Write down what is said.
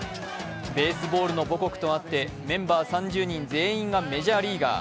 ベースボールの母国とあってメンバー３０人全員がメジャーリーガー。